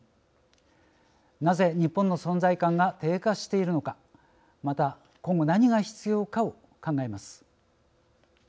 なぜ日本の存在感が低下しているのかまた今後何が必要かを考えます。